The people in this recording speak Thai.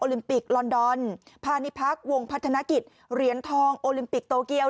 ลิมปิกลอนดอนพาณิพักษ์วงพัฒนกิจเหรียญทองโอลิมปิกโตเกียว